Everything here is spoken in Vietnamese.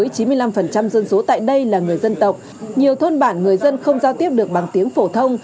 dân số tại đây là người dân tộc nhiều thôn bản người dân không giao tiếp được bằng tiếng phổ thông